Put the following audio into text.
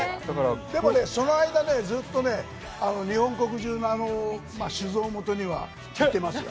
でも、その間、ずっとね、日本国中の酒造元には行ってますよ。